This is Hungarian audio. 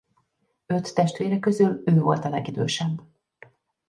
Öt testvére közül ő volt a legidősebb.